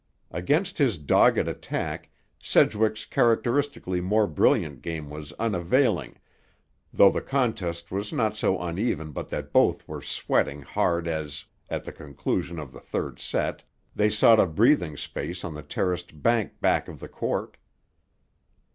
Against his dogged attack, Sedgwick's characteristically more brilliant game was unavailing, though the contest was not so uneven but that both were sweating hard as, at the conclusion of the third set, they sought a breathing space on the terraced bank back of the court.